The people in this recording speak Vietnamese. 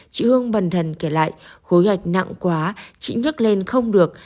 chị hương bần thần kể lại khối gạch nặng quá chị nhức lên không được